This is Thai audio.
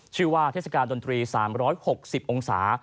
ชื่อว่าเทศกาลดนตรี๓๖๐องศา